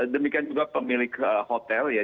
demikian juga pemilik hotel ya